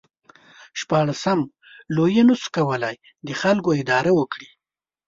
شپاړسم لویي نشو کولای د خلکو اداره وکړي.